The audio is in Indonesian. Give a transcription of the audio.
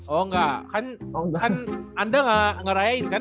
oh enggak kan anda ngerayain kan